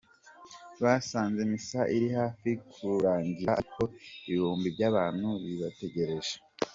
Basanze Misa iri hafi kurangira ariko ibihumbi by'abantu bibategereje .